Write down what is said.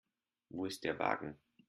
Wo ist der Wagen?